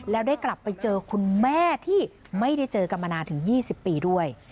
แล้วได้กลับไปเจอคุณแม่ที่ไม่ได้เจอกันมานานถึง๒๐ปีด้วย